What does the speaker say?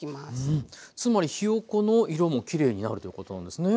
うんつまりひよこの色もきれいになるということなんですね。